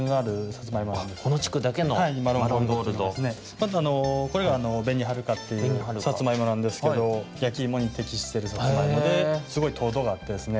あとこれが「紅はるか」っていうさつまいもなんですけどやきいもにてきしてるさつまいもですごいとうどがあってですね